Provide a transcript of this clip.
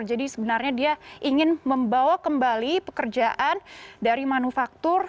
jadi sebenarnya dia ingin membawa kembali pekerjaan dari manufaktur